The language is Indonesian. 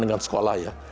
dengan sekolah ya